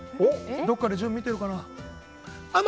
どこかで潤見てるかな？